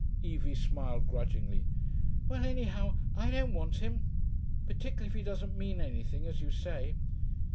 Evie smiled grudgingly. 'Well, anyhow I don't want him. Particularly if he doesn't mean anything, as you say....